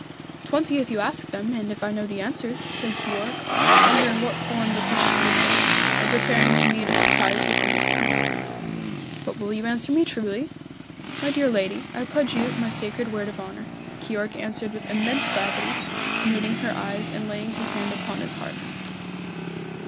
"Twenty if you ask them, and if I know the answers," said Keyork, wondering what form the question would take, and preparing to meet a surprise with indifference. "But will you answer me truly?" "My dear lady, I pledge you my sacred word of honour," Keyork answered with immense gravity, meeting her eyes and laying his hand upon his heart.